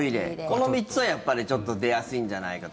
この３つは、やっぱり出やすいんじゃないかと。